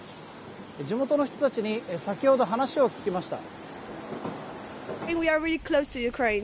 地元の人たちに先ほど話を聞きました。